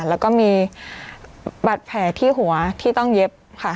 แล้วก็มีบาดแผลที่หัวที่ต้องเย็บค่ะ